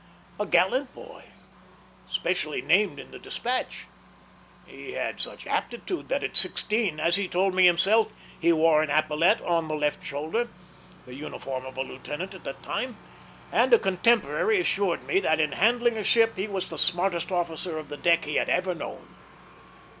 A gallant boy, specially named in the despatch, he had such aptitude that at sixteen, as he told me himself, he wore an epaulette on the left shoulder the uniform of a lieutenant at that time; and a contemporary assured me that in handling a ship he was the smartest officer of the deck he had ever known.